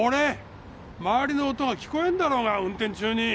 周りの音が聞こえんだろうが運転中に。